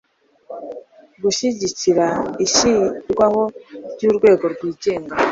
gushyigikira ishyirwaho ry'urwego rwigenga